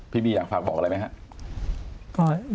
พี่บีอยากฝากบอกอะไรไหมครับ